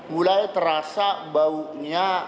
mulai terasa baunya